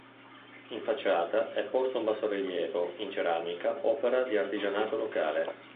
In facciata è posto un bassorilievo in ceramica, opera di artigianato locale.